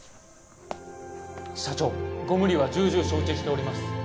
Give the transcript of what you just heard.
社長ご無理は重々承知しております